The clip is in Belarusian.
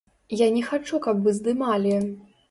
Я не хачу, каб вы здымалі!